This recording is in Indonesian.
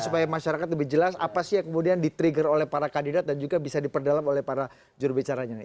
supaya masyarakat lebih jelas apa sih yang kemudian di trigger oleh para kandidat dan juga bisa diperdalam oleh para jurubicaranya